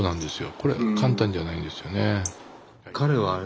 これ簡単じゃないですよね。